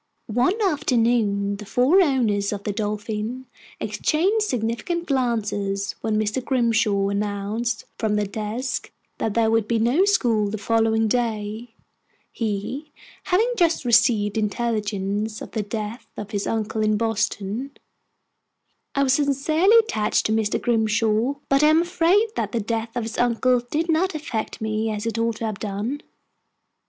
One afternoon the four owners of the Dolphin exchanged significant glances when Mr. Grimshaw announced from the desk that there would be no school the following day, he having just received intelligence of the death of his uncle in Boston I was sincerely attached to Mr. Grimshaw, but I am afraid that the death of his uncle did not affect me as it ought to have done.